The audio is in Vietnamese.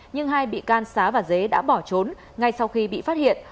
nhưng hai bị can xá và dế đã bỏ trốn ngay sau khi bị phát hiện